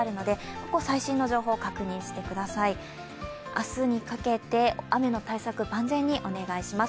明日にかけて雨の対策万全にお願いします。